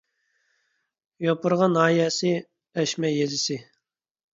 يوپۇرغا ناھىيەسى ئەشمە يېزىسى